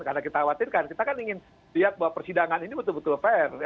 karena kita khawatirkan kita kan ingin lihat bahwa persidangan ini betul betul fair